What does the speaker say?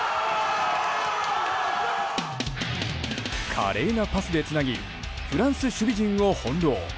華麗なパスでつなぎフランス守備陣を翻弄。